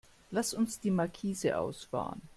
Lass uns die Markise ausfahren.